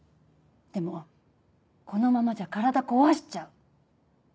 でもこのままじゃ体こわしちゃう。